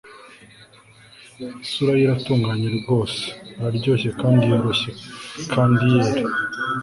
Isura ye iratunganye rwose araryoshye kandi yoroshye kandi yera